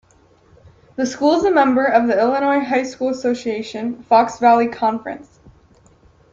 The school is a member of the Illinois High School Association, Fox Valley Conference.